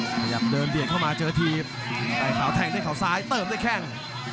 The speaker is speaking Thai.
พยายามเดินเบียดเข้ามาเจอถีบใส่ขาวแทงด้วยเขาซ้ายเติมด้วยแข้ง